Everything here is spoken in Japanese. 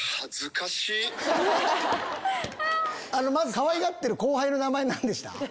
かわいがってる後輩の名前何でした？